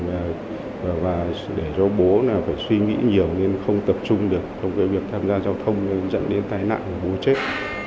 và để cho bố là phải suy nghĩ nhiều nên không tập trung được trong cái việc tham gia giao thông nên dẫn đến tai nạn và bố chết